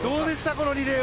このリレー。